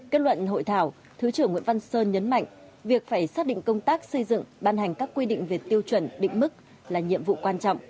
kết luận hội thảo thứ trưởng nguyễn văn sơn nhấn mạnh việc phải xác định công tác xây dựng ban hành các quy định về tiêu chuẩn định mức là nhiệm vụ quan trọng